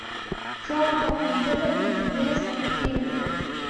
شا او خوا پنځه بجې پنځلس دقیقې وې.